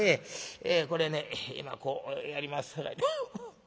これね今こうやりますさかい」。